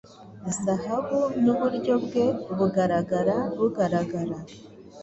zahabu nuburyo bwe bugaragara bugaragara